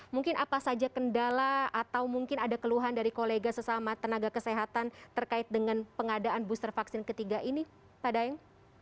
mungkin apa saja kendala atau mungkin ada keluhan dari kolega sesama tenaga kesehatan terkait dengan pengadaan booster vaksin ketiga ini pak daeng